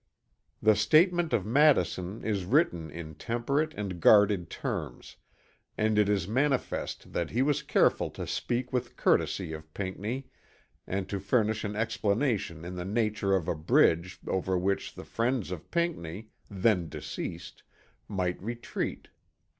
The statement of Madison is written in temperate and guarded terms; and it is manifest that he was careful to speak with courtesy of Pinckney and to furnish an explanation in the nature of a bridge over which the friends of Pinckney, then deceased, might retreat.